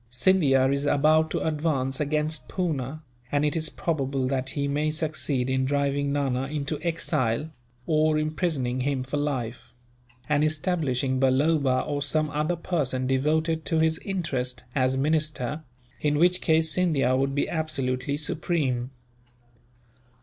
Scindia is about to advance against Poona, and it is probable that he may succeed in driving Nana into exile, or imprisoning him for life; and establishing Balloba, or some other person devoted to his interest, as minister, in which case Scindia would be absolutely supreme.